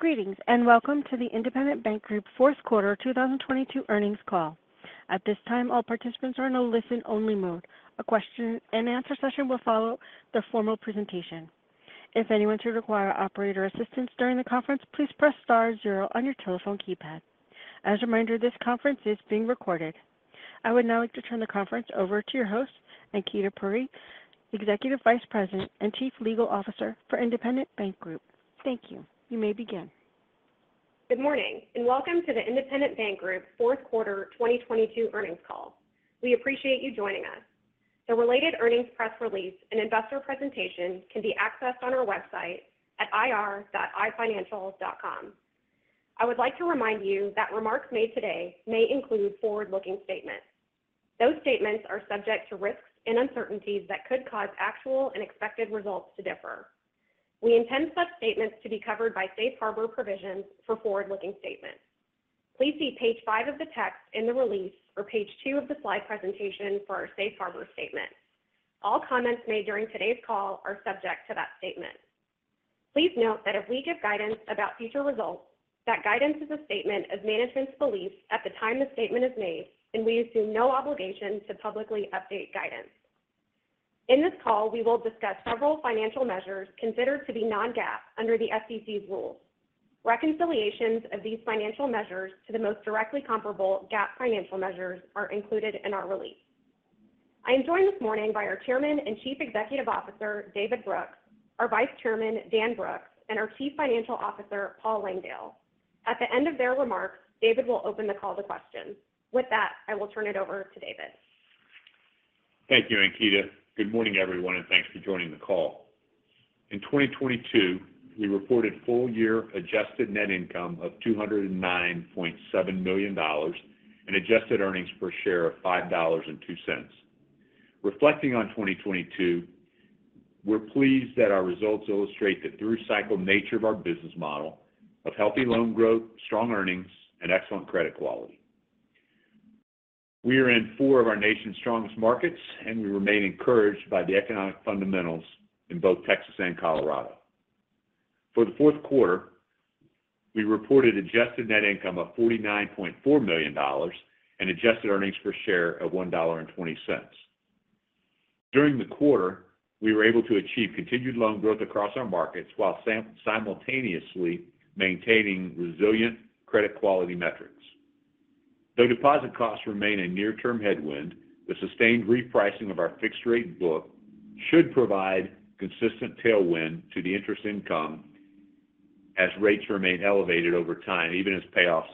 Greetings, welcome to the Independent Bank Group Q4 2022 earnings call. At this time, all participants are in a listen-only mode. A question and answer session will follow the formal presentation. If anyone should require operator assistance during the conference, please press star zero on your telephone keypad. As a reminder, this conference is being recorded. I would now like to turn the conference over to your host, Ankita Puri, Executive Vice President and Chief Legal Officer for Independent Bank Group. Thank you. You may begin. Good morning, and welcome to the Independent Bank Group Q4 2022 earnings call. We appreciate you joining us. The related earnings press release and investor presentation can be accessed on our website at ir.independent-bank.com. I would like to remind you that remarks made today may include forward-looking statements. Those statements are subject to risks and uncertainties that could cause actual and expected results to differ. We intend such statements to be covered by safe harbor provisions for forward-looking statements. Please see page 5 of the text in the release or page 2 of the slide presentation for our safe harbor statement. All comments made during today's call are subject to that statement. Please note that if we give guidance about future results, that guidance is a statement of management's belief at the time the statement is made, and we assume no obligation to publicly update guidance. In this call, we will discuss several financial measures considered to be non-GAAP under the SEC's rules. Reconciliations of these financial measures to the most directly comparable GAAP financial measures are included in our release. I am joined this morning by our Chairman and Chief Executive Officer, David Brooks, our Vice Chairman, Dan Brooks, and our Chief Financial Officer, Paul Langdale. At the end of their remarks, David will open the call to questions. With that, I will turn it over to David. Thank you, Ankita. Good morning, everyone, and thanks for joining the call. In 2022, we reported full-year adjusted net income of $209.7 million and adjusted earnings per share of $5.02. Reflecting on 2022, we're pleased that our results illustrate the through-cycle nature of our business model of healthy loan growth, strong earnings, and excellent credit quality. We are in four of our nation's strongest markets, and we remain encouraged by the economic fundamentals in both Texas and Colorado. For the Q4, we reported adjusted net income of $49.4 million and adjusted earnings per share of $1.20. During the quarter, we were able to achieve continued loan growth across our markets while simultaneously maintaining resilient credit quality metrics. Though deposit costs remain a near-term headwind, the sustained repricing of our fixed-rate book should provide consistent tailwind to the interest income as rates remain elevated over time, even as payoffs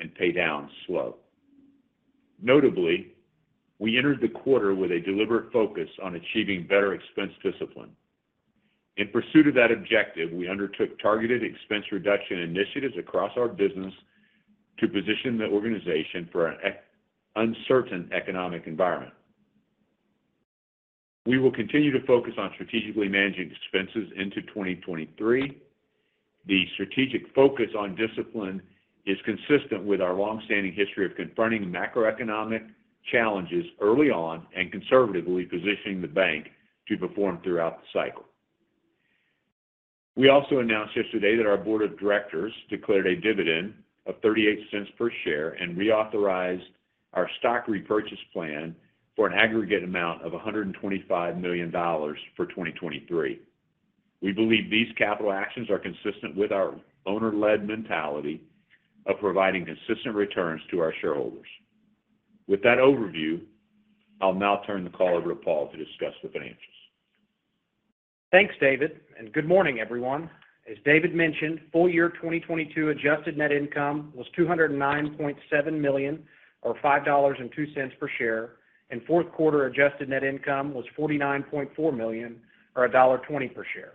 and pay downs slow. Notably, we entered the quarter with a deliberate focus on achieving better expense discipline. In pursuit of that objective, we undertook targeted expense reduction initiatives across our business to position the organization for an uncertain economic environment. We will continue to focus on strategically managing expenses into 2023. The strategic focus on discipline is consistent with our long-standing history of confronting macroeconomic challenges early on and conservatively positioning the bank to perform throughout the cycle. We also announced yesterday that our board of directors declared a dividend of $0.38 per share and reauthorized our stock repurchase plan for an aggregate amount of $125 million for 2023. We believe these capital actions are consistent with our owner-led mentality of providing consistent returns to our shareholders. With that overview, I'll now turn the call over to Paul to discuss the financials. Thanks, David. Good morning, everyone. As David mentioned, full-year 2022 adjusted net income was $209.7 million or $5.02 per share. Q4 adjusted net income was $49.4 million or $1.20 per share.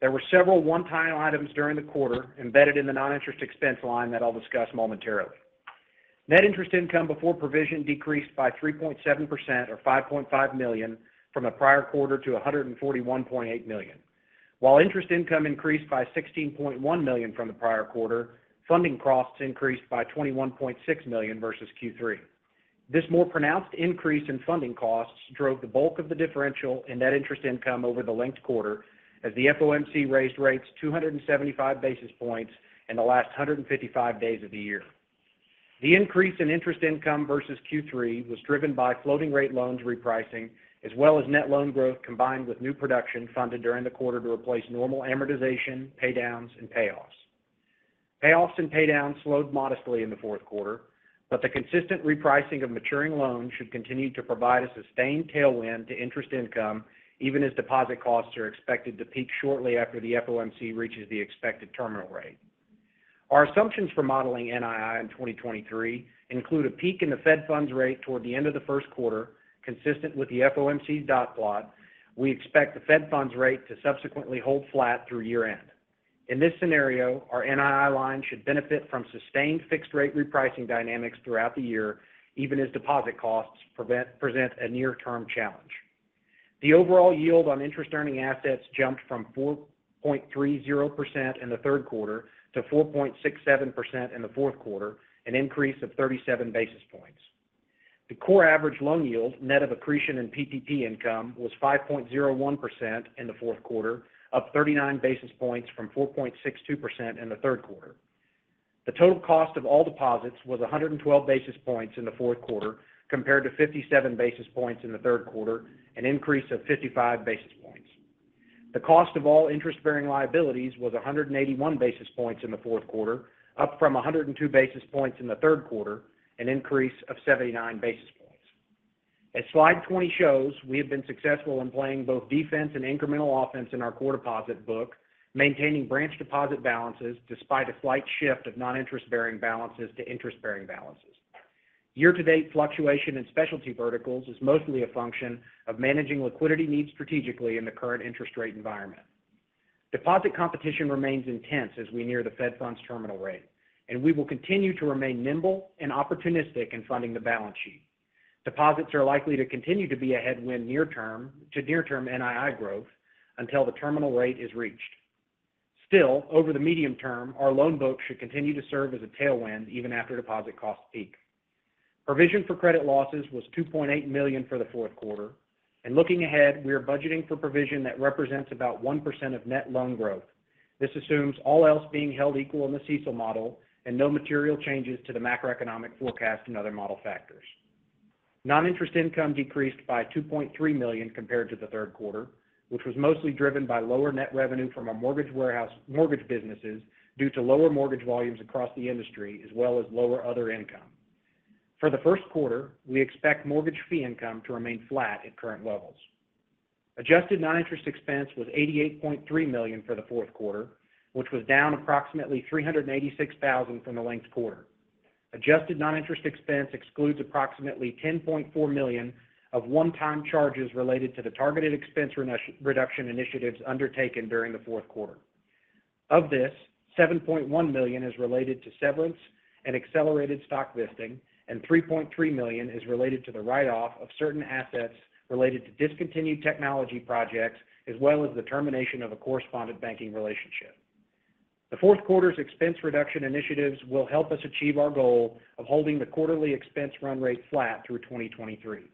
There were several one-time items during the quarter embedded in the non-interest expense line that I'll discuss momentarily. Net interest income before provision decreased by 3.7% or $5.5 million from the prior quarter to $141.8 million. While interest income increased by $16.1 million from the prior quarter, funding costs increased by $21.6 million versus Q3. This more pronounced increase in funding costs drove the bulk of the differential in net interest income over the linked quarter as the FOMC raised rates 275 basis points in the last 155 days of the year. The increase in interest income versus Q3 was driven by floating rate loans repricing, as well as net loan growth combined with new production funded during the quarter to replace normal amortization, pay downs, and payoffs. The consistent repricing of maturing loans should continue to provide a sustained tailwind to interest income, even as deposit costs are expected to peak shortly after the FOMC reaches the expected terminal rate. Our assumptions for modeling NII in 2023 include a peak in the Fed funds rate toward the end of the Q1, consistent with the FOMC dot plot. We expect the Fed funds rate to subsequently hold flat through year-end. In this scenario, our NII line should benefit from sustained fixed-rate repricing dynamics throughout the year, even as deposit costs present a near-term challenge. The overall yield on interest-earning assets jumped from 4.30% in the Q3 to 4.67% in the Q4, an increase of 37 basis points. The core average loan yield, net of accretion and PPP income, was 5.01% in the Q4, up 39 basis points from 4.62% in the Q3. The total cost of all deposits was 112 basis points in the Q4, compared to 57 basis points in the Q3, an increase of 55 basis points. The cost of all interest-bearing liabilities was 181 basis points in the Q4, up from 102 basis points in the Q3, an increase of 79 basis points. As slide 20 shows, we have been successful in playing both defense and incremental offense in our core deposit book, maintaining branch deposit balances despite a slight shift of non-interest-bearing balances to interest-bearing balances. Year-to-date fluctuation in specialty verticals is mostly a function of managing liquidity needs strategically in the current interest rate environment. Deposit competition remains intense as we near the Fed funds terminal rate, and we will continue to remain nimble and opportunistic in funding the balance sheet. Deposits are likely to continue to be a headwind to near-term NII growth until the terminal rate is reached. Over the medium term, our loan book should continue to serve as a tailwind even after deposit costs peak. Provision for credit losses was $2.8 million for the Q4. Looking ahead, we are budgeting for provision that represents about 1% of net loan growth. This assumes all else being held equal in the CECL model and no material changes to the macroeconomic forecast and other model factors. Non-interest income decreased by $2.3 million compared to the Q3, which was mostly driven by lower net revenue from our mortgage warehouse businesses due to lower mortgage volumes across the industry, as well as lower other income. For the Q1, we expect mortgage fee income to remain flat at current levels. Adjusted non-interest expense was $88.3 million for the Q4, which was down approximately $386,000 from the linked quarter. Adjusted non-interest expense excludes approximately $10.4 million of one-time charges related to the targeted expense reduction initiatives undertaken during the Q4. Of this, $7.1 million is related to severance and accelerated stock vesting, and $3.3 million is related to the write-off of certain assets related to discontinued technology projects, as well as the termination of a correspondent banking relationship. The Q4's expense reduction initiatives will help us achieve our goal of holding the quarterly expense run rate flat through 2023.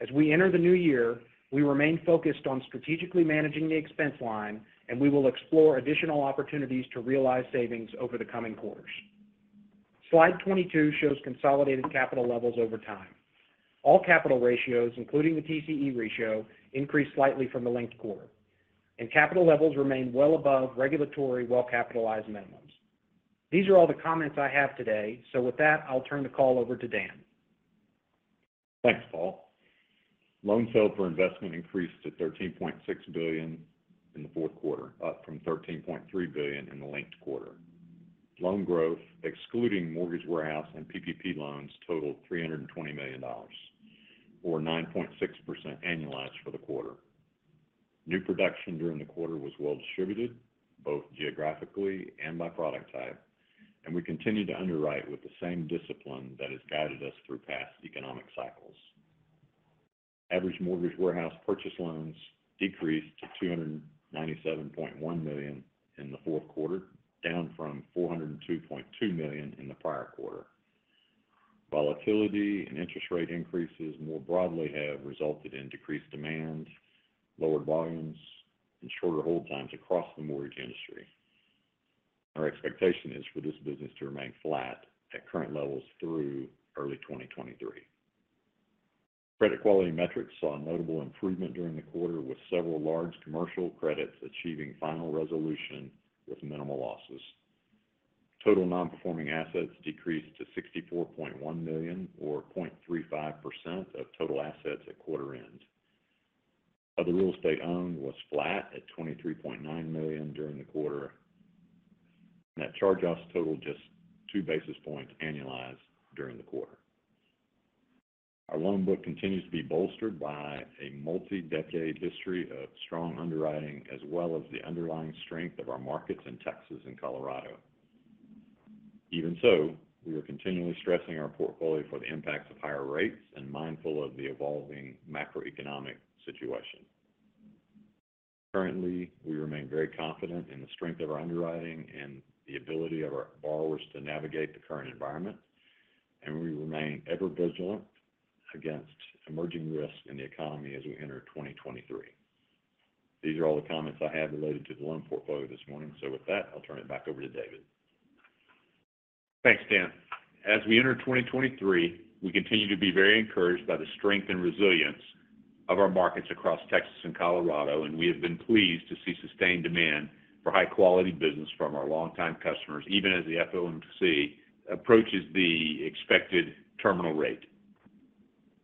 As we enter the new year, we remain focused on strategically managing the expense line, and we will explore additional opportunities to realize savings over the coming quarters. Slide 22 shows consolidated capital levels over time. All capital ratios, including the TCE ratio, increased slightly from the linked quarter, and capital levels remain well above regulatory well-capitalized minimums. These are all the comments I have today. With that, I'll turn the call over to Dan. Thanks, Paul. Loans held for investment increased to $13.6 billion in the Q4, up from $13.3 billion in the linked quarter. Loan growth, excluding mortgage warehouse and PPP loans totaled $320 million or 9.6% annualized for the quarter. New production during the quarter was well distributed both geographically and by product type. We continue to underwrite with the same discipline that has guided us through past economic cycles. Average mortgage warehouse purchase loans decreased to $297.1 million in the Q4, down from $402.2 million in the prior quarter. Volatility and interest rate increases more broadly have resulted in decreased demand, lower volumes, and shorter hold times across the mortgage industry. Our expectation is for this business to remain flat at current levels through early 2023. Credit quality metrics saw a notable improvement during the quarter, with several large commercial credits achieving final resolution with minimal losses. Total non-performing assets decreased to $64.1 million or 0.35% of total assets at quarter end. Other real estate owned was flat at $23.9 million during the quarter. Net charge-offs totaled just 2 basis points annualized during the quarter. Our loan book continues to be bolstered by a multi-decade history of strong underwriting, as well as the underlying strength of our markets in Texas and Colorado. Even so, we are continually stressing our portfolio for the impacts of higher rates and mindful of the evolving macroeconomic situation. Currently, we remain very confident in the strength of our underwriting and the ability of our borrowers to navigate the current environment. We remain ever vigilant against emerging risks in the economy as we enter 2023. These are all the comments I have related to the loan portfolio this morning. With that, I'll turn it back over to David. Thanks, Dan. As we enter 2023, we continue to be very encouraged by the strength and resilience of our markets across Texas and Colorado. We have been pleased to see sustained demand for high-quality business from our longtime customers, even as the FOMC approaches the expected terminal rate.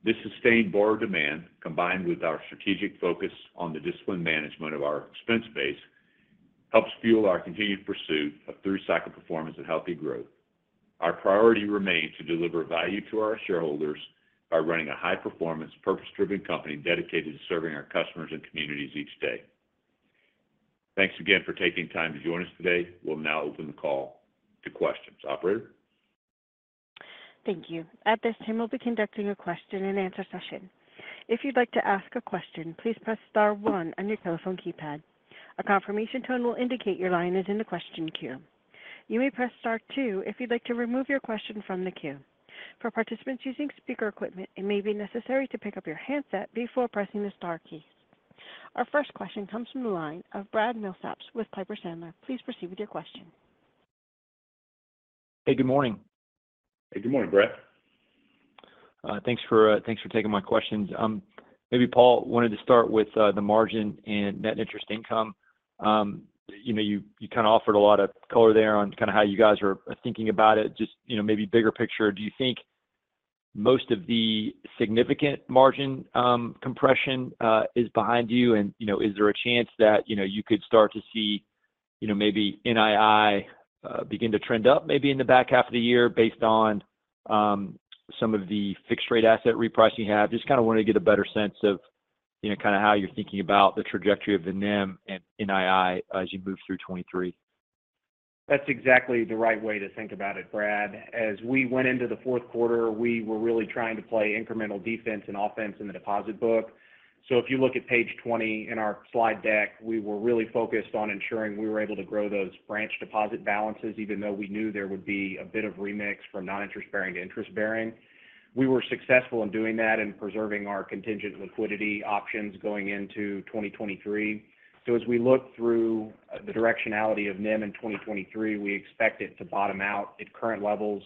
This sustained borrower demand, combined with our strategic focus on the disciplined management of our expense base, helps fuel our continued pursuit of through-cycle performance and healthy growth. Our priority remains to deliver value to our shareholders by running a high-performance, purpose-driven company dedicated to serving our customers and communities each day. Thanks again for taking time to join us today. We'll now open the call to questions. Operator? Thank you. At this time, we'll be conducting a question-and-answer session. If you'd like to ask a question, please press star one on your telephone keypad. A confirmation tone will indicate your line is in the question queue. You may press star two if you'd like to remove your question from the queue. For participants using speaker equipment, it may be necessary to pick up your handset before pressing the star key. Our first question comes from the line of Brad Milsaps with Piper Sandler. Please proceed with your question. Hey, good morning. Hey, good morning, Brad. Thanks for, thanks for taking my questions. Maybe Paul, wanted to start with the margin and net interest income. You know, you kind of offered a lot of color there on kind of how you guys are thinking about it. Just, you know, maybe bigger picture, do you think most of the significant margin compression is behind you? You know, is there a chance that, you know, you could start to see, you know, maybe NII begin to trend up maybe in the back half of the year based on some of the fixed-rate asset reprice you have? Just kind of wanted to get a better sense of, you know, kind of how you're thinking about the trajectory of the NIM and NII as you move through 2023. That's exactly the right way to think about it, Brad. As we went into the Q4, we were really trying to play incremental defense and offense in the deposit book. If you look at page 20 in our slide deck, we were really focused on ensuring we were able to grow those branch deposit balances, even though we knew there would be a bit of remix from non-interest-bearing to interest-bearing. We were successful in doing that and preserving our contingent liquidity options going into 2023. As we look through the directionality of NIM in 2023, we expect it to bottom out at current levels,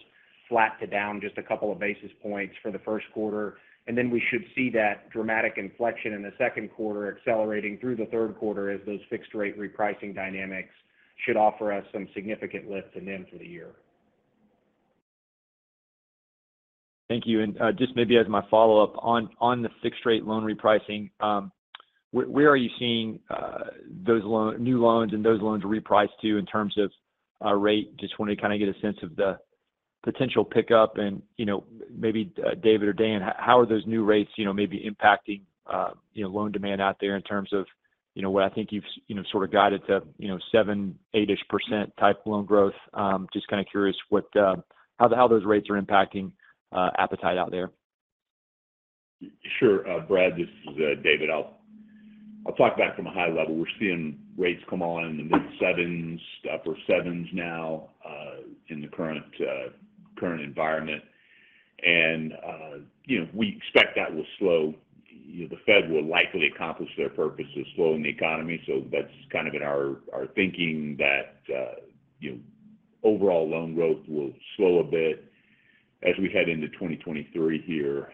flat to down just 2 basis points for the Q1. Then we should see that dramatic inflection in the Q2 accelerating through the Q3 as those fixed-rate repricing dynamics should offer us some significant lift in NIM for the year. Thank you. Just maybe as my follow-up on the fixed-rate loan repricing, where are you seeing new loans and those loans reprice to in terms of rate? Just wanted to kind of get a sense of the potential pickup and, you know, maybe David or Dan, how are those new rates, you know, maybe impacting, you know, loan demand out there in terms of, you know, what I think you've, you know, sort of guided to, you know, 7%-8%-ish type loan growth? Just kind of curious how those rates are impacting appetite out there. Sure. Brad, this is David. I'll talk about it from a high level. We're seeing rates come on in the mid-7s, upper 7s now, in the current environment. You know, we expect that will slow. The Fed will likely accomplish their purpose of slowing the economy, so that's kind of in our thinking that, you know, overall loan growth will slow a bit as we head into 2023 here.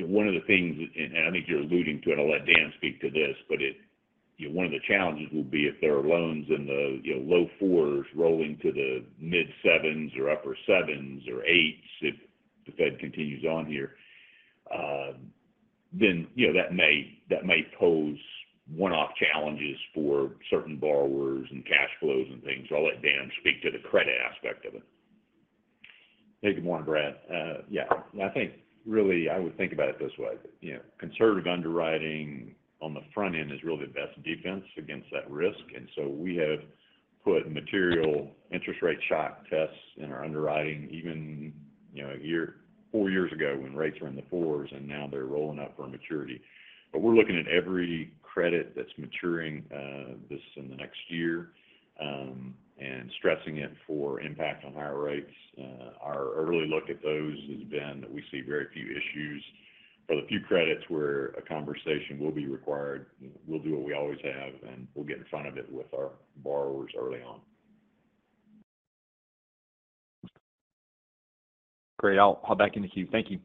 One of the things, and I think you're alluding to, and I'll let Dan speak to this, but you know, one of the challenges will be if there are loans in the, you know, low 4s rolling to the mid-7s or upper 7s or 8s, if the Fed continues on here, you know, that may pose one-off challenges for certain borrowers and cash flows and things. I'll let Dan speak to the credit aspect of it. Hey, good morning, Brad. Yeah, I think really I would think about it this way. You know, conservative underwriting on the front end is really the best defense against that risk. We have put material interest rate shock tests in our underwriting even, you know, 4 years ago when rates were in the 4s. Now they're rolling up for maturity. We're looking at every credit that's maturing this and the next year, stressing it for impact on higher rates. Our early look at those has been that we see very few issues. For the few credits where a conversation will be required, we'll do what we always have. We'll get in front of it with our borrowers early on. Great. I'll back in the queue. Thank you.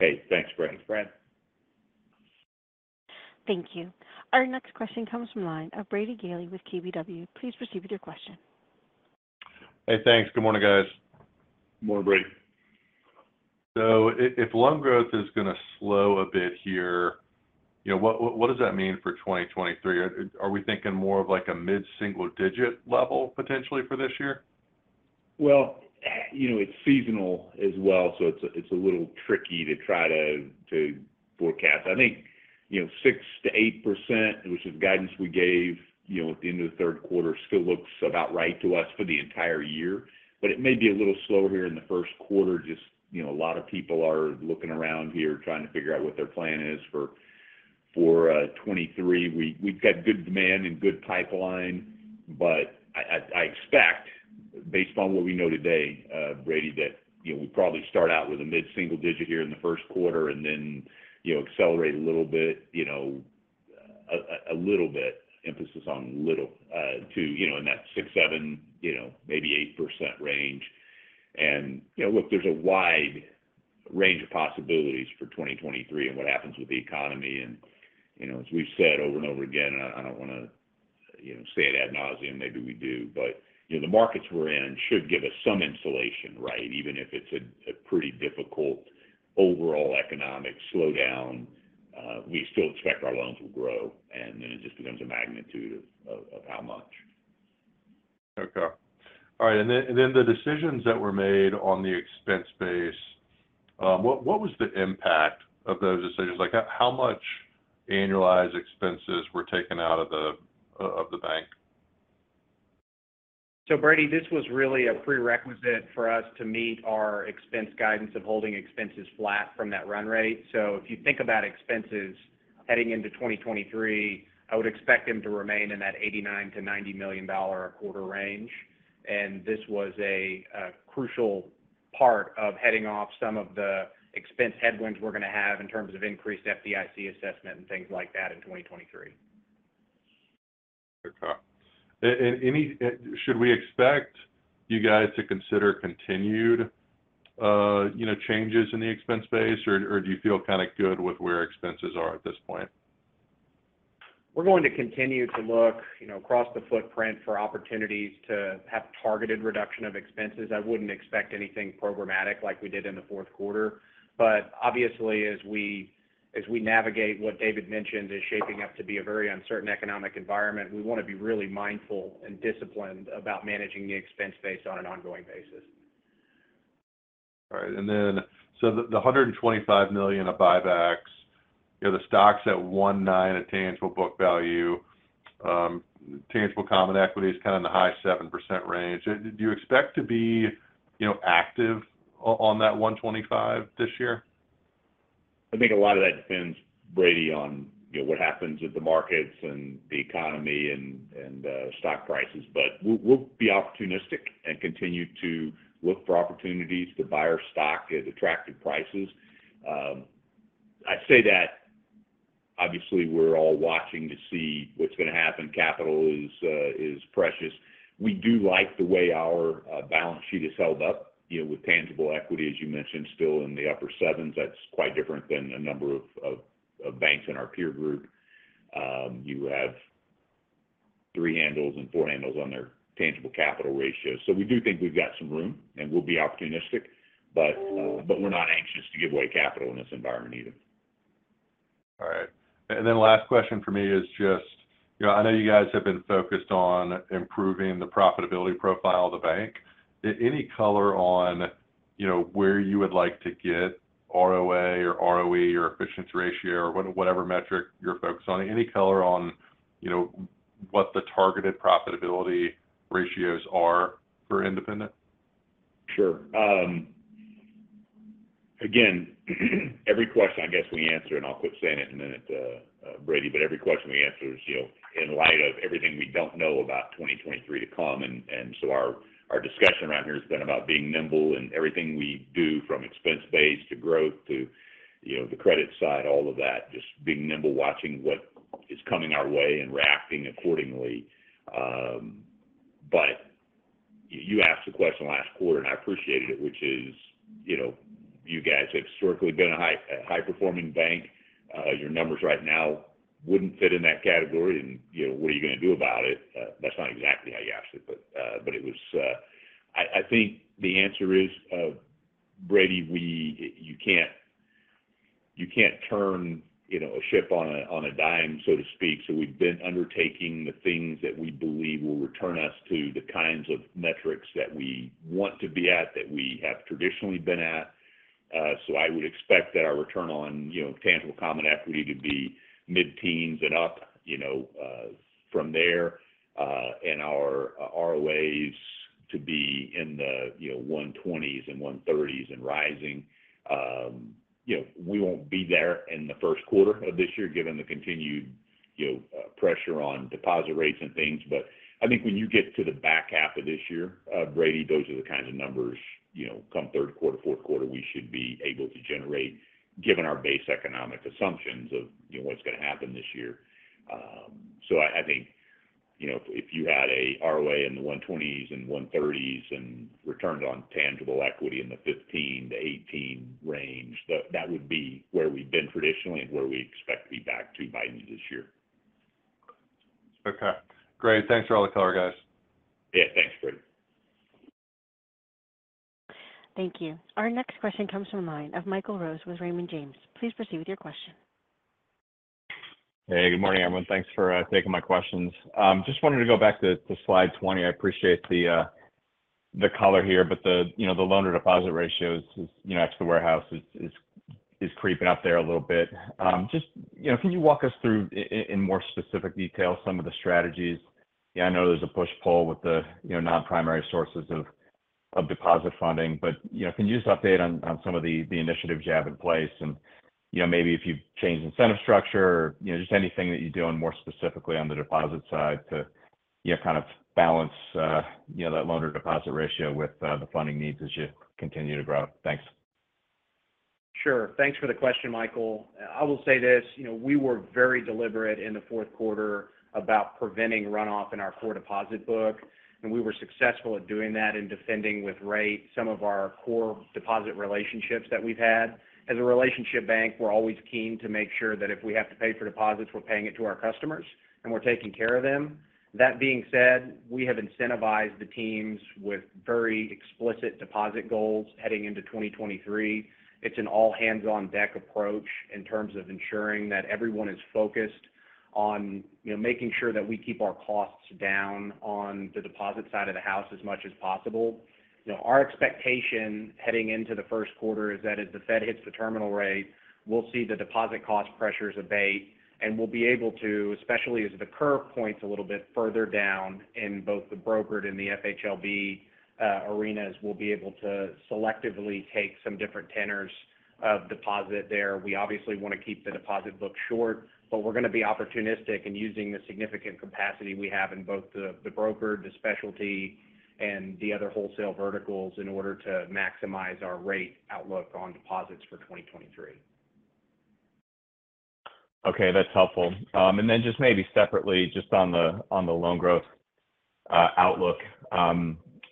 Okay. Thanks, Brad. Thanks, Brad. Thank you. Our next question comes from the line of Brady Gailey with KBW. Please proceed with your question. Hey, thanks. Good morning, guys. Good morning, Brady. If loan growth is gonna slow a bit here, you know, what does that mean for 2023? Are we thinking more of like a mid-single-digit level potentially for this year? You know, it's seasonal as well, so it's a little tricky to try to forecast. I think, you know, 6%-8%, which is the guidance we gave, you know, at the end of the Q3 still looks about right to us for the entire year. It may be a little slower here in the Q1, just, you know, a lot of people are looking around here trying to figure out what their plan is for 2023. We've got good demand and good pipeline. I expect based on what we know today, Brady, that, you know, we probably start out with a mid-single-digit here in the Q1, and then, you know, accelerate a little bit, you know, a little bit, emphasis on little, to, you know, in that 6, 7, you know, maybe 8% range. You know, look, there's a wide range of possibilities for 2023 and what happens with the economy. You know, as we've said over and over again, and I don't wanna, you know, say it ad nauseam, maybe we do, you know, the markets we're in should give us some insulation, right? Even if it's a pretty difficult overall economic slowdown, we still expect our loans will grow, it just becomes a magnitude of how much. Okay. All right. The decisions that were made on the expense base, what was the impact of those decisions? Like, how much annualized expenses were taken out of the bank? Brady, this was really a prerequisite for us to meet our expense guidance of holding expenses flat from that run rate. If you think about expenses. Heading into 2023, I would expect them to remain in that $89 million-$90 million a quarter range. This was a crucial part of heading off some of the expense headwinds we're gonna have in terms of increased FDIC assessment and things like that in 2023. Okay. Should we expect you guys to consider continued, you know, changes in the expense base or do you feel kind of good with where expenses are at this point? We're going to continue to look, you know, across the footprint for opportunities to have targeted reduction of expenses. I wouldn't expect anything programmatic like we did in the Q4. Obviously, as we navigate what David mentioned is shaping up to be a very uncertain economic environment, we want to be really mindful and disciplined about managing the expense base on an ongoing basis. All right. The $125 million of buybacks, you know, the stock's at 1.9 at tangible book value. tangible common equity is kind of in the high 7% range. Do you expect to be, you know, active on that 125 this year? I think a lot of that depends, Brady, on, you know, what happens with the markets and the economy and stock prices. We'll be opportunistic and continue to look for opportunities to buy our stock at attractive prices. I say that, obviously, we're all watching to see what's gonna happen. Capital is precious. We do like the way our balance sheet has held up, you know, with tangible equity, as you mentioned, still in the upper sevens. That's quite different than a number of banks in our peer group. You have 3 handles and 4 handles on their tangible capital ratio. We do think we've got some room, and we'll be opportunistic, but we're not anxious to give away capital in this environment either. All right. Last question from me is just, you know, I know you guys have been focused on improving the profitability profile of the bank. Any color on, you know, where you would like to get ROA or ROE or efficiency ratio or whatever metric you're focused on? Any color on, you know, what the targeted profitability ratios are for Independent? Sure. Again, every question I guess we answer, and I'll quit saying it in a minute, Brady, but every question we answer is, you know, in light of everything we don't know about 2023 to come. Our discussion around here has been about being nimble in everything we do from expense base to growth to, you know, the credit side, all of that, just being nimble, watching what is coming our way and reacting accordingly. You asked the question last quarter, and I appreciated it, which is, you know, you guys have historically been a high, a high-performing bank. Your numbers right now wouldn't fit in that category and, you know, what are you gonna do about it? That's not exactly how you asked it, but it was... I think the answer is, Brady, you can't turn, you know, a ship on a dime, so to speak. We've been undertaking the things that we believe will return us to the kinds of metrics that we want to be at, that we have traditionally been at. I would expect that our return on, you know, tangible common equity to be mid-teens and up, you know, from there, and our ROAs to be in the, you know, 120s and 130s and rising. You know, we won't be there in the Q1 of this year given the continued, you know, pressure on deposit rates and things. I think when you get to the back half of this year, Brady, those are the kinds of numbers, you know, come Q4, Q4, we should be able to generate given our base economic assumptions of, you know, what's gonna happen this year. I think, you know, if you had a ROA in the 120s and 130s and returns on tangible equity in the 15%-18% range, that would be where we've been traditionally and where we expect to be back to by this year. Okay. Great. Thanks for all the color, guys. Yeah. Thanks, Brady. Thank you. Our next question comes from the line of Michael Rose with Raymond James. Please proceed with your question. Hey, good morning, everyone. Thanks for taking my questions. Just wanted to go back to slide 20. I appreciate the color here, but the, you know, the loan-to-deposit ratio is, you know, out to the warehouse is creeping up there a little bit. Just, you know, can you walk us through in more specific detail some of the strategies? Yeah, I know there's a push-pull with the, you know, non-primary sources of deposit funding. You know, can you just update on some of the initiatives you have in place? You know, maybe if you've changed incentive structure or, you know, just anything that you're doing more specifically on the deposit side to, you know, kind of balance, you know, that loan-to-deposit ratio with the funding needs as you continue to grow. Thanks. Sure. Thanks for the question, Michael. I will say this, you know, we were very deliberate in the Q4 about preventing runoff in our core deposit book, and we were successful at doing that and defending with rate some of our core deposit relationships that we've had. As a relationship bank, we're always keen to make sure that if we have to pay for deposits, we're paying it to our customers, and we're taking care of them. That being said, we have incentivized the teams with very explicit deposit goals heading into 2023. It's an all-hands-on-deck approach in terms of ensuring that everyone is focused on, you know, making sure that we keep our costs down on the deposit side of the house as much as possible. You know, our expectation heading into the Q1 is that as the Fed hits the terminal rate, we'll see the deposit cost pressures abate, and we'll be able to, especially as the curve points a little bit further down in both the brokered and the FHLB arenas, we'll be able to selectively take some different tenors of deposit there. We obviously want to keep the deposit book short, but we're gonna be opportunistic in using the significant capacity we have in both the brokered, the specialty, and the other wholesale verticals in order to maximize our rate outlook on deposits for 2023. Okay, that's helpful. Just maybe separately, just on the loan growth outlook.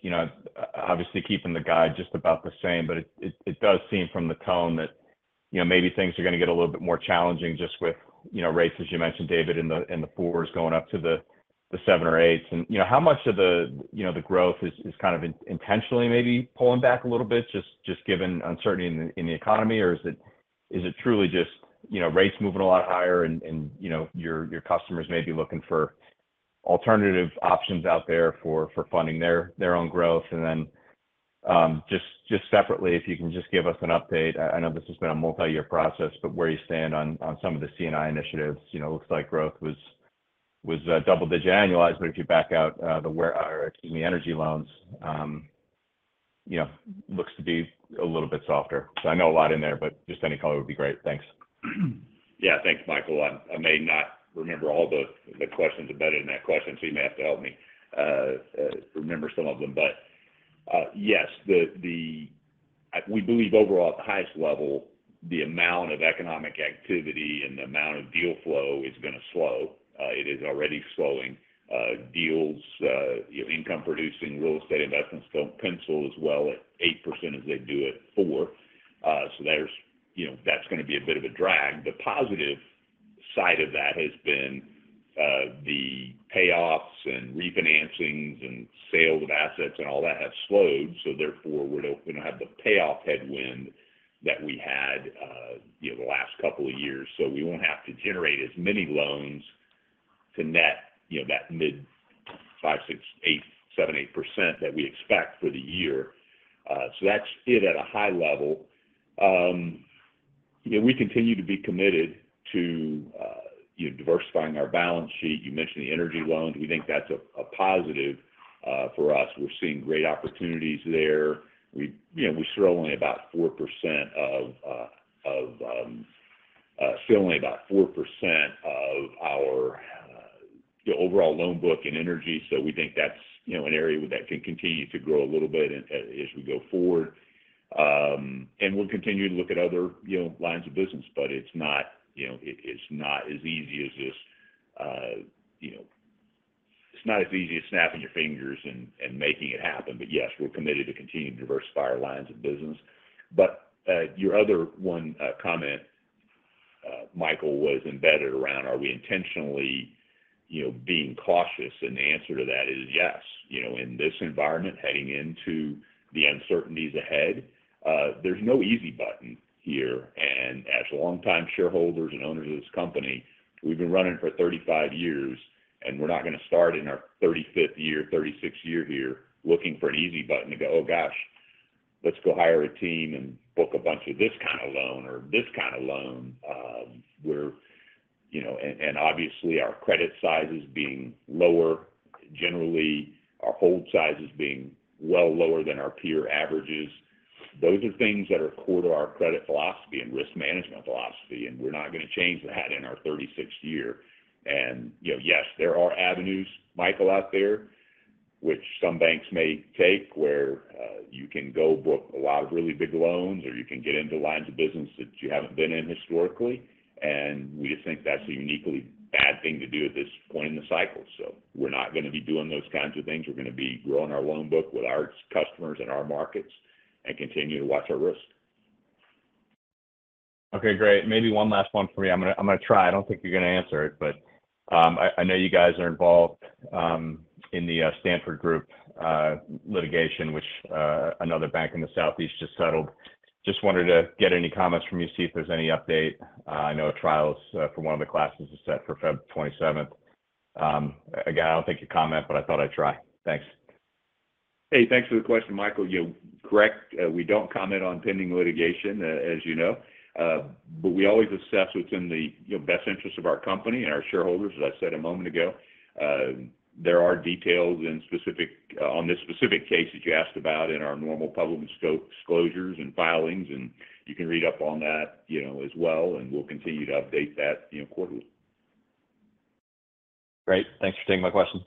You know, obviously keeping the guide just about the same, but it does seem from the tone that, you know, maybe things are going to get a little bit more challenging just with, you know, rates, as you mentioned, David, in the 4s going up to the 7s or 8s. How much of the, you know, the growth is kind of intentionally maybe pulling back a little bit just given uncertainty in the economy? Or is it truly just, you know, rates moving a lot higher and, you know, your customers may be looking for alternative options out there for funding their own growth? Then, just separately, if you can just give us an update. I know this has been a multi-year process, but where you stand on some of the C&I initiatives. You know, looks like growth was double-digit annualized. If you back out, or excuse me, energy loans, you know, looks to be a little bit softer. I know a lot in there, but just any color would be great. Thanks. Yeah. Thanks, Michael. I may not remember all the questions embedded in that question, so you may have to help me remember some of them. Yes. We believe overall at the highest level, the amount of economic activity and the amount of deal flow is going to slow. It is already slowing. Deals, you know, income-producing real estate investments don't pencil as well at 8% as they do at 4%. You know, that's going to be a bit of a drag. The positive side of that has been, the payoffs and refinancings and sale of assets and all that have slowed, so therefore we don't have the payoff headwind that we had, you know, the last couple of years. We won't have to generate as many loans to net, you know, that mid 5, 6, 8, 7, 8% that we expect for the year. That's it at a high level. You know, we continue to be committed to, you know, diversifying our balance sheet. You mentioned the energy loans. We think that's a positive for us. We're seeing great opportunities there. We, you know, we still only about 4% of our, the overall loan book in energy. We think that's, you know, an area that could continue to grow a little bit as we go forward. We'll continue to look at other, you know, lines of business. It's not as easy as snapping your fingers and making it happen. Yes, we're committed to continuing to diversify our lines of business. Your other one comment, Michael, was embedded around are we intentionally, you know, being cautious? The answer to that is yes. You know, in this environment, heading into the uncertainties ahead, there's no easy button here. As longtime shareholders and owners of this company, we've been running for 35 years, and we're not going to start in our 35th year, 36th year here looking for an easy button to go, oh gosh, let's go hire a team and book a bunch of this kind of loan or this kind of loan. We're, you know... obviously our credit sizes being lower, generally our hold sizes being well lower than our peer averages. Those are things that are core to our credit philosophy and risk management philosophy, and we're not going to change that in our 36th year. you know, yes, there are avenues, Michael, out there which some banks may take, where you can go book a lot of really big loans, or you can get into lines of business that you haven't been in historically. We just think that's a uniquely bad thing to do at this point in the cycle. We're not going to be doing those kinds of things. We're going to be growing our loan book with our customers and our markets and continue to watch our risk. Okay. Great. Maybe one last one for you. I'm gonna try. I don't think you're going to answer it. I know you guys are involved in the Stanford Group litigation, which another bank in the southeast just settled. Just wanted to get any comments from you, see if there's any update. I know a trial's for one of the classes is set for February 27th. Again, I don't think you'll comment, but I thought I'd try. Thanks. Hey, thanks for the question, Michael. You're correct, we don't comment on pending litigation, as you know. We always assess what's in the, you know, best interest of our company and our shareholders, as I said a moment ago. There are details and on this specific case that you asked about in our normal public disclosures and filings, and you can read up on that, you know, as well, and we'll continue to update that, you know, quarterly. Great. Thanks for taking my question.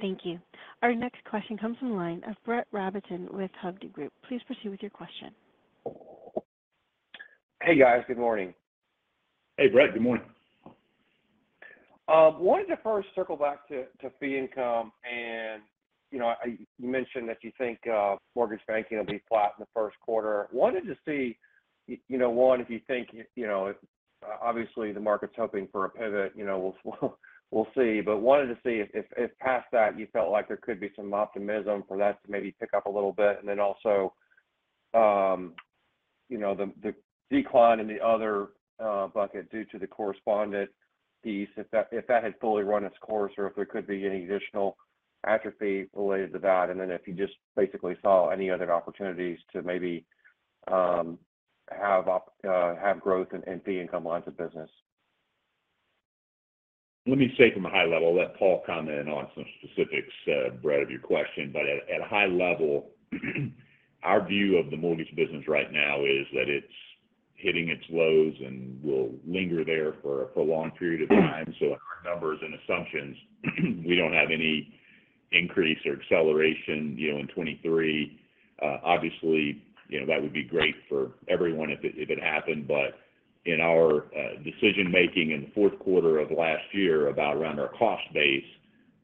Thank you. Our next question comes from the line of Brett Rabatin with Hovde Group. Please proceed with your question. Hey, guys. Good morning. Hey, Brett. Good morning. Wanted to first circle back to fee income. You know, you mentioned that you think mortgage banking will be flat in the Q1. Wanted to see, you know, one, if you think, you know, obviously the market's hoping for a pivot. You know, we'll see. Wanted to see if past that, you felt like there could be some optimism for that to maybe pick up a little bit. Also, you know, the decline in the other bucket due to the correspondent piece, if that had fully run its course or if there could be any additional atrophy related to that. Then if you just basically saw any other opportunities to maybe have growth in fee income lines of business. Let me say from a high level, I'll let Paul comment on some specifics, Brett, of your question. At a high level, our view of the mortgage business right now is that it's hitting its lows and will linger there for a long period of time. In our numbers and assumptions, we don't have any increase or acceleration, you know, in 2023. Obviously, you know, that would be great for everyone if it, if it happened. In our decision-making in the Q4 of last year about around our cost base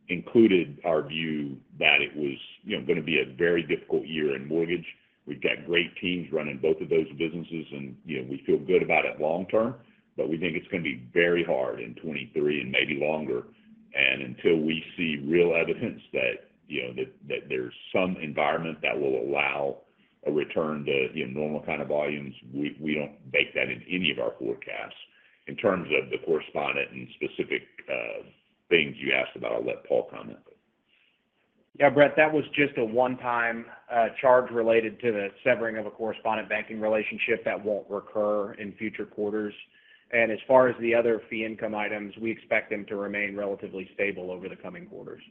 included our view that it was, you know, going to be a very difficult year in mortgage. We've got great teams running both of those businesses, and, you know, we feel good about it long term, but we think it's going to be very hard in 2023 and maybe longer. Until we see real evidence that, you know, there's some environment that will allow a return to, you know, normal kind of volumes, we don't bake that into any of our forecasts. In terms of the correspondent and specific things you asked about, I'll let Paul comment. Yeah, Brett, that was just a one-time charge related to the severing of a correspondent banking relationship that won't recur in future quarters. As far as the other fee income items, we expect them to remain relatively stable over the coming quarters.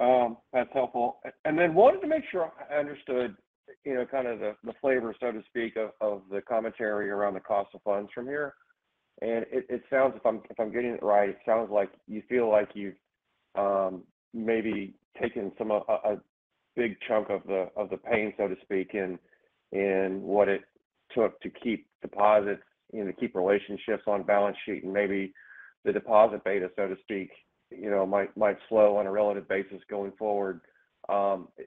Okay. That's helpful. Then wanted to make sure I understood, you know, kind of the flavor, so to speak, of the commentary around the cost of funds from here. It sounds, if I'm getting it right, it sounds like you feel like you've maybe taken some of a big chunk of the pain, so to speak, in what it took to keep deposits, you know, to keep relationships on balance sheet and maybe the deposit beta, so to speak, you know, might slow on a relative basis going forward.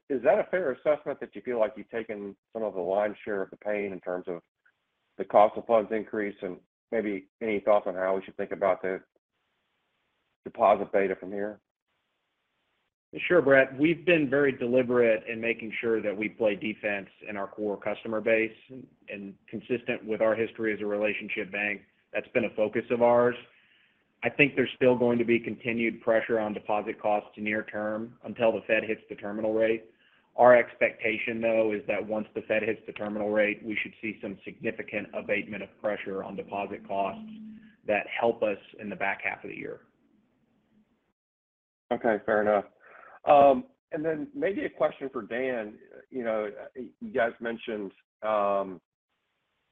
Is that a fair assessment that you feel like you've taken some of the lion's share of the pain in terms of the cost of funds increase? Maybe any thoughts on how we should think about the deposit beta from here? Sure, Brett. We've been very deliberate in making sure that we play defense in our core customer base. Consistent with our history as a relationship bank, that's been a focus of ours. I think there's still going to be continued pressure on deposit costs near term until the Fed hits the terminal rate. Our expectation, though, is that once the Fed hits the terminal rate, we should see some significant abatement of pressure on deposit costs that help us in the back half of the year. Okay, fair enough. Maybe a question for Dan. You know, you guys mentioned,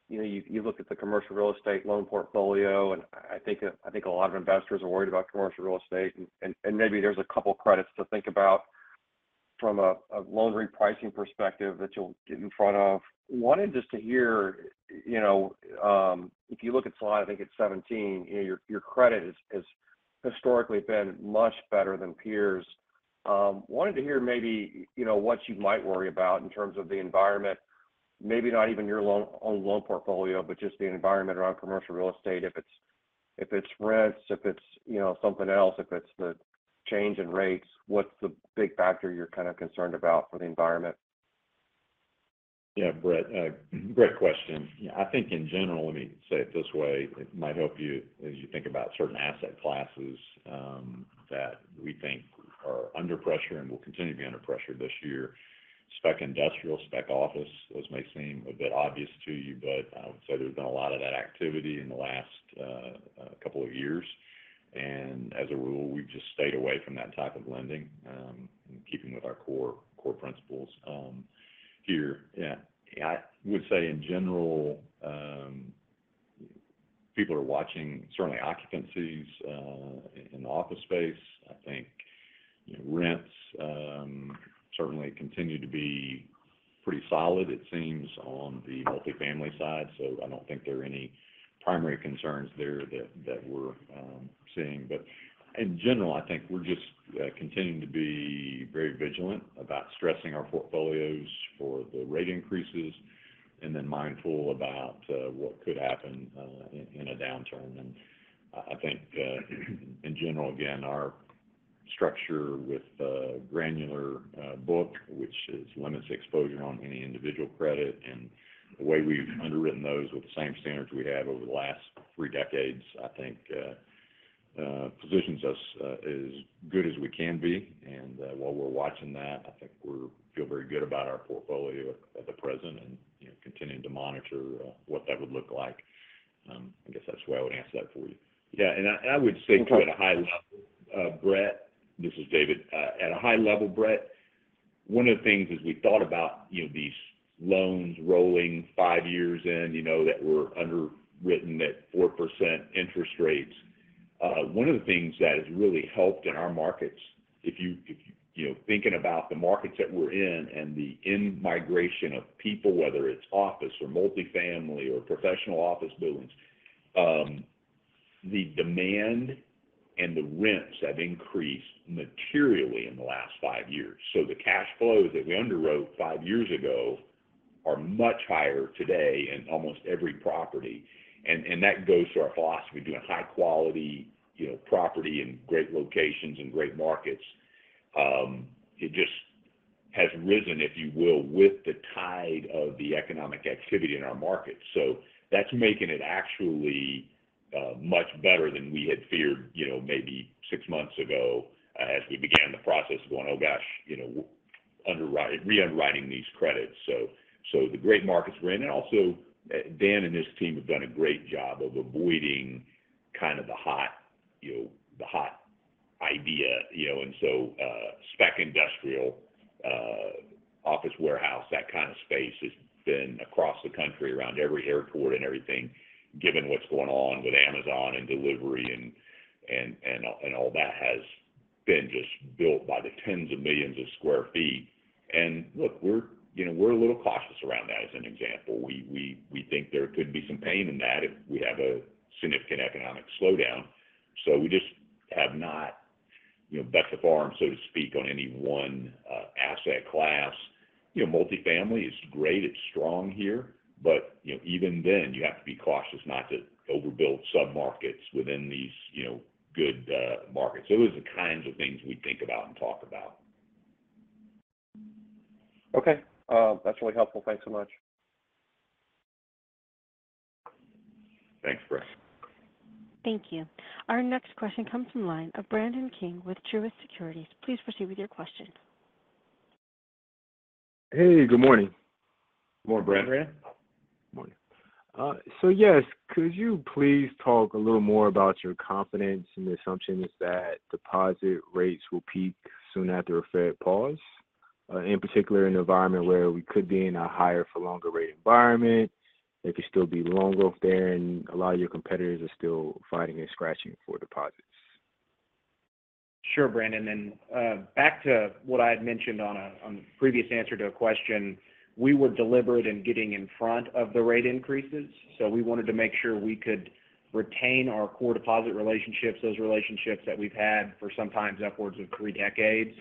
you know, you look at the commercial real estate loan portfolio, and I think a lot of investors are worried about commercial real estate and maybe there's a couple credits to think about from a loan repricing perspective that you'll get in front of. Wanted just to hear, you know, if you look at slide, I think it's 17, you know, your credit has historically been much better than peers. Wanted to hear maybe, you know, what you might worry about in terms of the environment. Maybe not even your own loan portfolio, but just the environment around commercial real estate. If it's, if it's rents, if it's, you know, something else, if it's the change in rates, what's the big factor you're kind of concerned about for the environment? Yeah, Brett, great question. I think in general, let me say it this way, it might help you as you think about certain asset classes that we think are under pressure and will continue to be under pressure this year. Spec industrial, spec office, those may seem a bit obvious to you. I would say there's been a lot of that activity in the last couple of years. As a rule, we've just stayed away from that type of lending in keeping with our core principles here. Yeah, I would say in general, people are watching certainly occupancies in the office space. I think, you know, rents certainly continue to be pretty solid, it seems, on the multifamily side. I don't think there are any primary concerns there that we're seeing. In general, I think we're just continuing to be very vigilant about stressing our portfolios for the rate increases and then mindful about what could happen in a downturn. I think in general, again, our structure with the granular book, which is limits exposure on any individual credit, and the way we've underwritten those with the same standards we have over the last three decades, I think positions us as good as we can be. While we're watching that, I think we feel very good about our portfolio at the present and, you know, continuing to monitor what that would look like. I guess that's the way I would answer that for you. Yeah. I, and I would say from at a high level- Okay. Brett, this is David. At a high level, Brett, one of the things as we thought about, you know, these loans rolling five years in, you know, that were underwritten at 4% interest rates, one of the things that has really helped in our markets, if you know, thinking about the markets that we're in and the in-migration of people, whether it's office or multifamily or professional office buildings, the demand and the rents have increased materially in the last five years. The cash flows that we underwrote five years ago are much higher today in almost every property. That goes to our philosophy, doing high-quality, you know, property in great locations and great markets. It just has risen, if you will, with the tide of the economic activity in our markets. That's making it actually much better than we had feared, you know, maybe 6 months ago as we began the process going, oh, gosh, you know, reunderwriting these credits. The great markets we're in. Dan and his team have done a great job of avoiding kind of the hot, you know, the hot idea, you know. Spec industrial, office warehouse, that kind of space has been across the country around every airport and everything, given what's going on with Amazon and delivery and all that has been just built by the tens of millions of sq ft. We're, you know, we're a little cautious around that as an example. We think there could be some pain in that if we have a significant economic slowdown. We just have not, you know, bet the farm, so to speak, on any one asset class. You know, multifamily is great, it's strong here, but, you know, even then you have to be cautious not to overbuild submarkets within these, you know, good markets. Those are the kinds of things we think about and talk about. That's really helpful. Thanks so much. Thanks, Brett. Thank you. Our next question comes from line of Brandon King with Truist Securities. Please proceed with your question. Hey, good morning. Good morning, Brandon. Morning. Yes, could you please talk a little more about your confidence in the assumptions that deposit rates will peak soon after a Fed pause, in particular in an environment where we could be in a higher for longer rate environment, they could still be longer there, and a lot of your competitors are still fighting and scratching for deposits? Sure, Brandon. Back to what I had mentioned on the previous answer to a question, we were deliberate in getting in front of the rate increases, so we wanted to make sure we could retain our core deposit relationships, those relationships that we've had for sometimes upwards of 3 decades.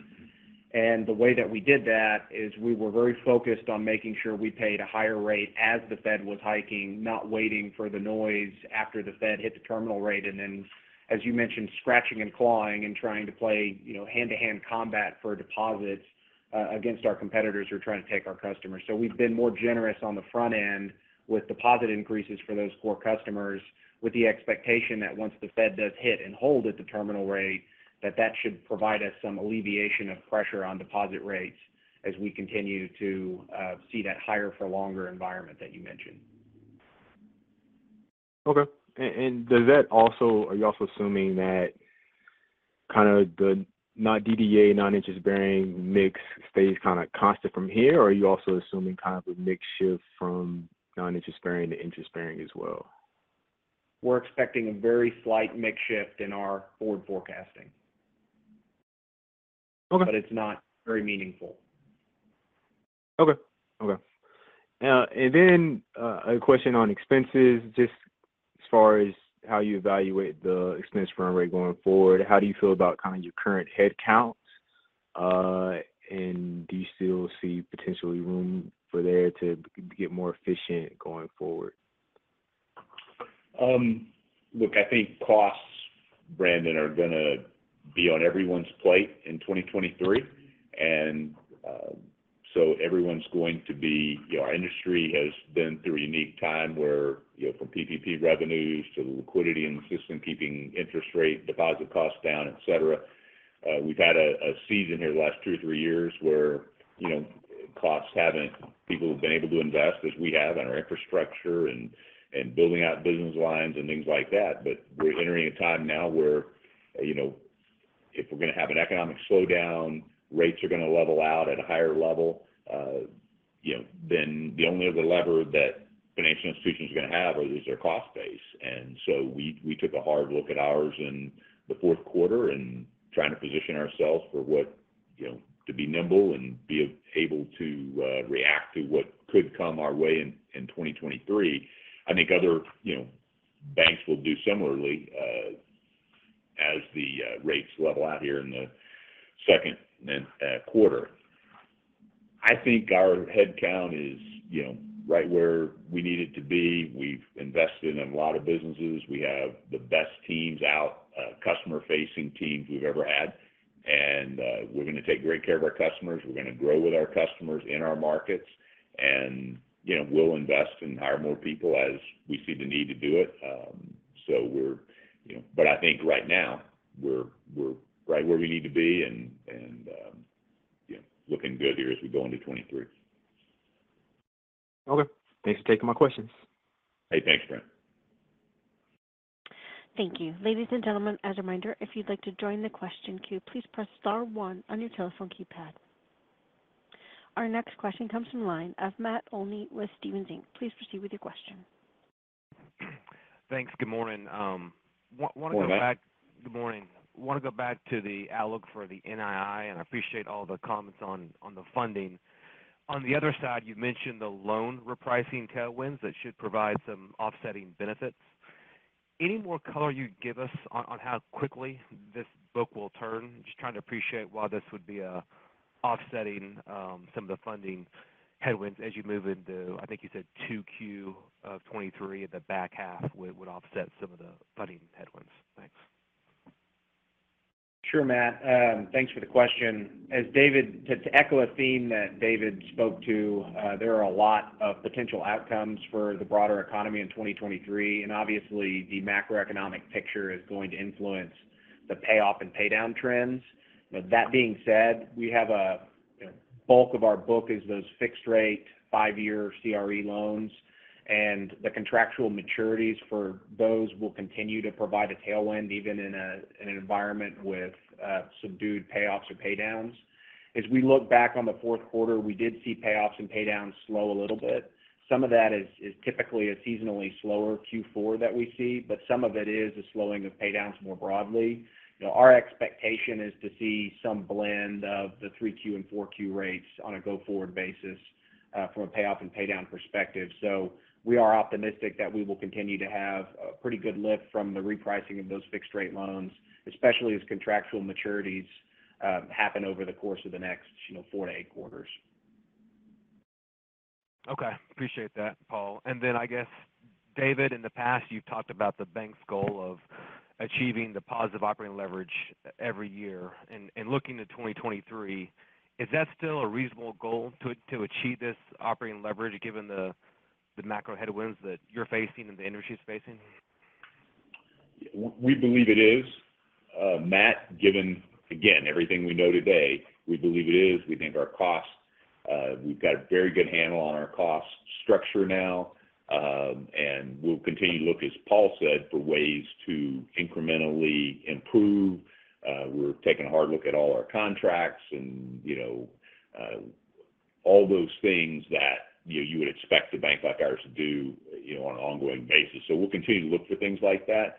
The way that we did that is we were very focused on making sure we paid a higher rate as the Fed was hiking, not waiting for the noise after the Fed hit the terminal rate. As you mentioned, scratching and clawing and trying to play, you know, hand-to-hand combat for deposits, against our competitors who are trying to take our customers. We've been more generous on the front end with deposit increases for those core customers with the expectation that once the Fed does hit and hold at the terminal rate, that that should provide us some alleviation of pressure on deposit rates as we continue to see that higher for longer environment that you mentioned. Okay. Are you also assuming that kind of the not DDA, non-interest-bearing mix stays kind of constant from here, or are you also assuming kind of a mix shift from non-interest-bearing to interest-bearing as well? We're expecting a very slight mix shift in our forward forecasting. Okay. It's not very meaningful. Okay. Okay. A question on expenses, just as far as how you evaluate the expense burn rate going forward, how do you feel about kind of your current headcounts, and do you still see potentially room for there to get more efficient going forward? Look, I think costs, Brandon, are gonna be on everyone's plate in 2023. Everyone's going to be... You know, our industry has been through a unique time where, you know, from PPP revenues to the liquidity in the system, keeping interest rate, deposit costs down, et cetera. We've had a season here the last two or three years where, you know, costs haven't people have been able to invest as we have in our infrastructure and building out business lines and things like that. We're entering a time now where, you know, if we're gonna have an economic slowdown, rates are gonna level out at a higher level, you know, the only other lever that financial institutions are gonna have are is their cost base. We took a hard look at ours in the Q4 and trying to position ourselves for what, you know, to be nimble and be able to react to what could come our way in 2023. I think other, you know, banks will do similarly as the rates level out here in the Q2. I think our head count is, you know, right where we need it to be. We've invested in a lot of businesses. We have the best teams out, customer-facing teams we've ever had, and we're gonna take great care of our customers. We're gonna grow with our customers in our markets, and, you know, we'll invest and hire more people as we see the need to do it. We're, you know... I think right now we're right where we need to be and, you know, looking good here as we go into 2023. Okay. Thanks for taking my questions. Hey, thanks, Brandon. Thank you. Ladies and gentlemen, as a reminder, if you'd like to join the question queue, please press star one on your telephone keypad. Our next question comes from line of Matt Olney with Stephens Inc. Please proceed with your question. Thanks. Good morning. Good morning. Wanna go back. Good morning. Wanna go back to the outlook for the NII. I appreciate all the comments on the funding. On the other side, you've mentioned the loan repricing tailwinds that should provide some offsetting benefits. Any more color you'd give us on how quickly this book will turn? Just trying to appreciate why this would be offsetting some of the funding headwinds as you move into, I think you said Q2 2023. The back half would offset some of the funding headwinds. Thanks. Sure, Matt. thanks for the question. To echo a theme that David spoke to, there are a lot of potential outcomes for the broader economy in 2023, and obviously the macroeconomic picture is going to influence the payoff and paydown trends. But that being said, we have a, you know, bulk of our book is those fixed-rate 5-year CRE loans, and the contractual maturities for those will continue to provide a tailwind even in a, in an environment with subdued payoffs or paydowns. As we look back on the 4th quarter, we did see payoffs and paydowns slow a little bit. Some of that is typically a seasonally slower Q4 that we see, but some of it is a slowing of paydowns more broadly. You know, our expectation is to see some blend of the 3Q and 4Q rates on a go-forward basis, from a payoff and paydown perspective. We are optimistic that we will continue to have a pretty good lift from the repricing of those fixed-rate loans, especially as contractual maturities, happen over the course of the next, you know, 4 to 8 quarters. Okay. Appreciate that, Paul. I guess, David, in the past, you've talked about the bank's goal of achieving the positive operating leverage every year. Looking to 2023, is that still a reasonable goal to achieve this operating leverage given the macro headwinds that you're facing and the industry's facing? We believe it is, Matt, given, again, everything we know today, we believe it is. We think our costs, we've got a very good handle on our cost structure now. We'll continue to look, as Paul said, for ways to incrementally improve. We're taking a hard look at all our contracts and, you know, all those things that, you know, you would expect a bank like ours to do, you know, on an ongoing basis. We'll continue to look for things like that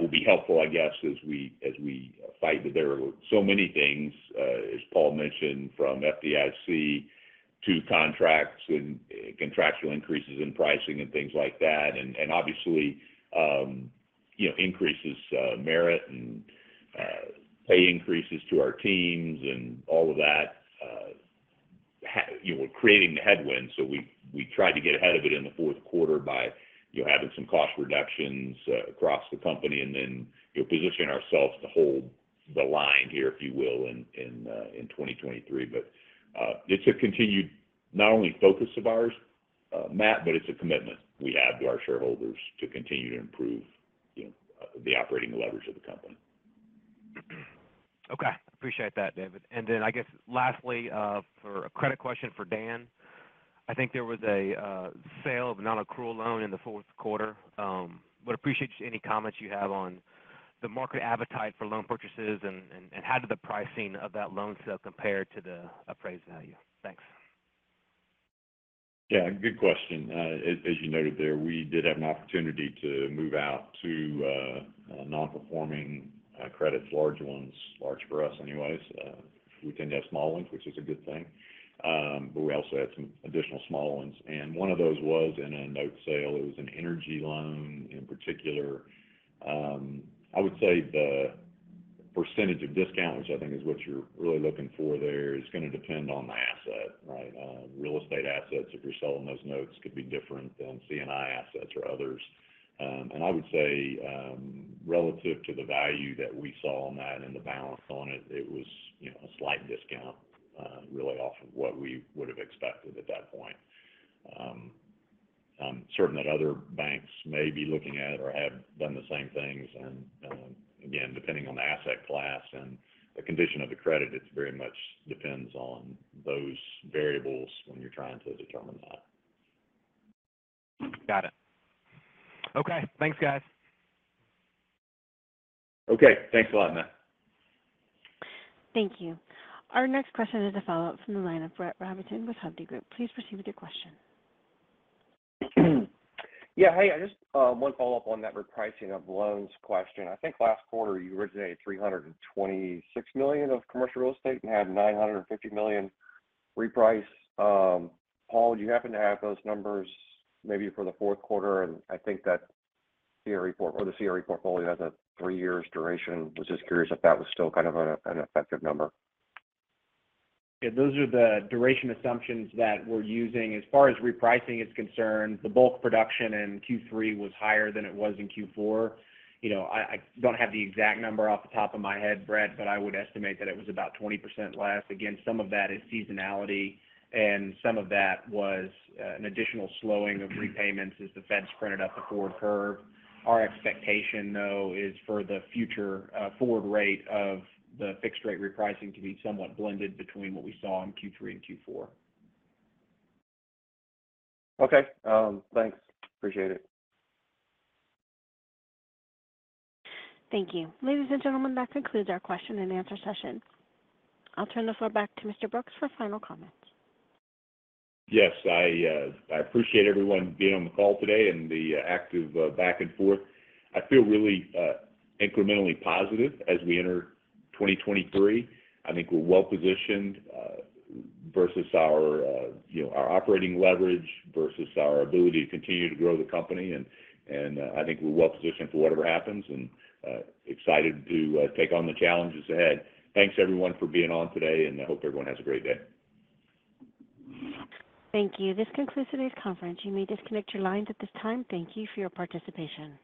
will be helpful, I guess, as we, as we fight. There are so many things, as Paul mentioned, from FDIC to contracts and contractual increases in pricing and things like that. Obviously, you know, increases, merit and pay increases to our teams and all of that, you know, creating the headwinds. We, we tried to get ahead of it in the Q4 by, you know, having some cost reductions across the company and then, you know, positioning ourselves to hold the line here, if you will, in 2023. It's a continued not only focus of ours, Matt, but it's a commitment we have to our shareholders to continue to improve, you know, the operating leverage of the company. Okay. Appreciate that, David. I guess lastly, for a credit question for Dan. I think there was a sale of a non-accrual loan in the Q4. Would appreciate just any comments you have on the market appetite for loan purchases and how did the pricing of that loan sale compare to the appraised value? Thanks. Yeah, good question. As you noted there, we did have an opportunity to move out to non-performing credits, large ones, large for us anyways. We tend to have small ones, which is a good thing. We also had some additional small ones, and one of those was in a note sale. It was an energy loan in particular. I would say the percentage of discount, which I think is what you're really looking for there, is gonna depend on the asset, right? Real estate assets, if you're selling those notes, could be different than C&I assets or others. I would say, relative to the value that we saw on that and the balance on it was, you know, a slight discount, really off of what we would have expected at that point. I'm certain that other banks may be looking at or have done the same things. Again, depending on the asset class and the condition of the credit, it very much depends on those variables when you're trying to determine that. Got it. Okay. Thanks, guys. Okay. Thanks a lot, Matt. Thank you. Our next question is a follow-up from the line of Brett Rabess with Hovde Group. Please proceed with your question. Yeah. Hey, just one follow-up on that repricing of loans question. I think last quarter you originated $326 million of commercial real estate and had $950 million reprice. Paul, do you happen to have those numbers maybe for the Q4? I think that CRE portfolio has a 3 years duration. Was just curious if that was still kind of an effective number. Those are the duration assumptions that we're using. As far as repricing is concerned, the bulk production in Q3 was higher than it was in Q4. You know, I don't have the exact number off the top of my head, Brett, but I would estimate that it was about 20% less. Again, some of that is seasonality, and some of that was an additional slowing of repayments as the Fed's [printed] up the forward curve. Our expectation, though, is for the future, forward rate of the fixed-rate repricing to be somewhat blended between what we saw in Q3 and Q4. Okay. Thanks. Appreciate it. Thank you. Ladies and gentlemen, that concludes our question and answer session. I'll turn the floor back to Mr. Brooks for final comments. Yes. I appreciate everyone being on the call today and the active back and forth. I feel really incrementally positive as we enter 2023. I think we're well-positioned versus our, you know, our operating leverage versus our ability to continue to grow the company. I think we're well-positioned for whatever happens and excited to take on the challenges ahead. Thanks everyone for being on today, and I hope everyone has a great day. Thank you. This concludes today's conference. You may disconnect your lines at this time. Thank you for your participation.